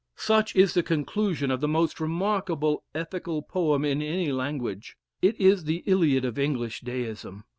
Such is the conclusion of the most remarkable ethical poem in any language. It is the Iliad of English Deism.